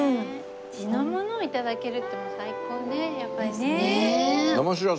地のものを頂けるってもう最高ねやっぱりね。